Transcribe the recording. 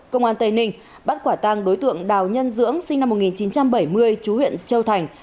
công an tây ninh bắt quả tang đối tượng đào nhân dưỡng sinh năm một nghìn chín trăm bảy mươi chú huyện châu thành